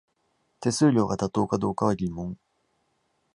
手数料が妥当かどうかは疑問